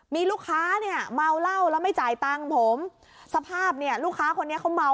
มีลูกค้าเนี่ยเมาเหล้าแล้วไม่จ่ายตังค์ผมสภาพเนี่ยลูกค้าคนนี้เขาเมา